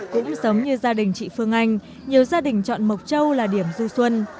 cũng giống như gia đình chị phương anh nhiều gia đình chọn mộc châu là điểm du xuân